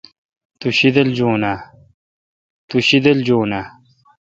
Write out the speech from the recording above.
تو شیدل جون آں؟